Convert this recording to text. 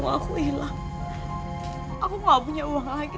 aku hilang aku gak punya uang lagi